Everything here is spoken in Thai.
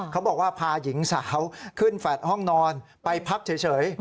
เขาบอกว่าพาหญิงสาวขึ้นแฟลต์ห้องนอนไปพักเฉย